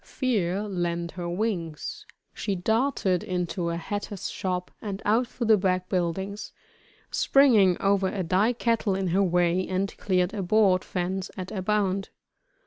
Fear lent her wings. She darted into a hatter's shop and out through the back buildings, springing over a dye kettle in her way, and cleared a board fence at a bound.